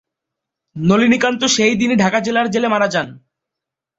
নলিনীকান্ত সেই দিনই ঢাকা জেলে মারা যান।